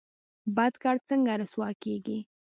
بد کار څنګه رسوا کیږي؟